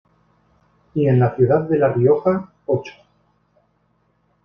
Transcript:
Y en la ciudad de La Rioja, ocho.